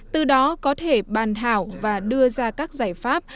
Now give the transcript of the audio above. từ đó có thể bàn thảo và đưa ra các giải pháp